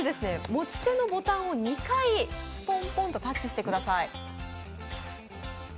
持ち手のボタンを２回、ポンポンとタッチしてください。